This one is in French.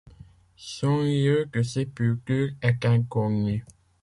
Son lieu de sépulture est inconnu.